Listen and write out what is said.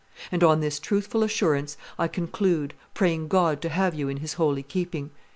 And on this truthful assurance, I conclude, praying God to have you in His holy keeping."